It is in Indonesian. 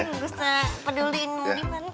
gak usah peduliinmu diman